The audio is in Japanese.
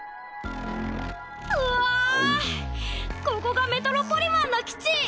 ここがメトロポリマンの基地！